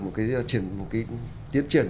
một cái tiến triển